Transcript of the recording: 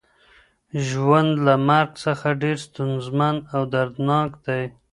ژوند له مرګ څخه ډیر ستونزمن او دردناک دی.